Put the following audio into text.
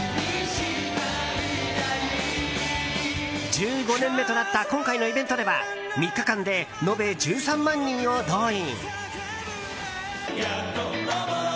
１５年目となった今回のイベントでは３日間で延べ１３万人を動員。